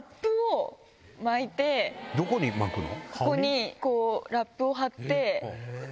どこに巻くの？